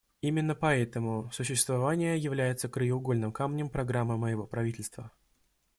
Именно поэтому сосуществование является краеугольным камнем программы моего правительства.